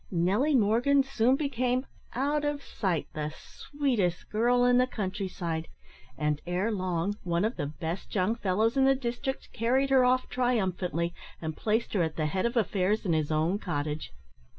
Nelly Morgan soon became, out of sight, the sweetest girl in the countryside, and, ere long, one of the best young fellows in the district carried her off triumphantly, and placed her at the head of affairs in his own cottage.